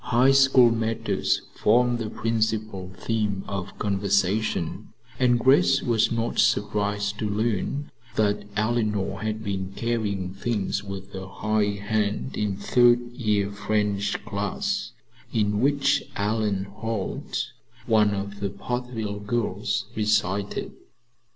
High School matters formed the principal theme of conversation, and Grace was not surprised to learn that Eleanor had been carrying things with a high hand in third year French class, in which Ellen Holt, one of the Portville girls, recited.